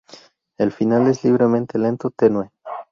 El final es libremente lento, tenue.